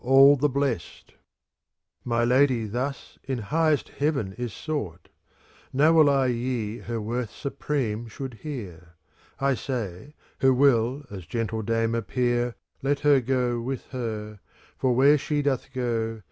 35 CANZONIERE My Lady thus in highest heaven is sought: Now will I ye her worth supreme should hear. ^ 1 say, who will as gentle dame appear, Let her go with her, for where she doth go.